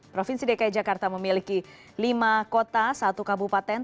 provinsi dki jakarta memiliki lima kota satu kabupaten